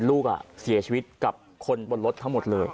ลูกเสียชีวิตกับคนบนรถทั้งหมดเลย